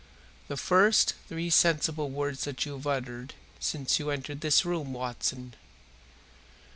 "The first three sensible words that you have uttered since you entered this room, Watson.